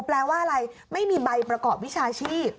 แปลว่าอะไรไม่มีใบประกอบวิชาชีพ